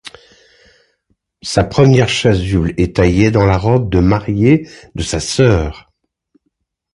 Sa première chasuble est taillée dans la robe de mariée de sa sœur.